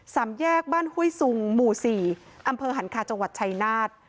สามแยกบ้านห้วยสุงหมู่๔อำเภอหันคาจังหวัดชายนาฏ